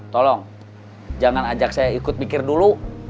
tolong jangan ajak saya ikut mikir dulu